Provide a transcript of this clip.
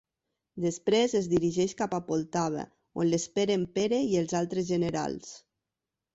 Després es dirigeix cap a Poltava on l'esperen Pere i els altres generals.